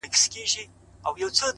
• حرص او تمي وو تر دامه راوستلی ,